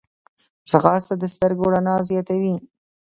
ځغاسته د سترګو رڼا زیاتوي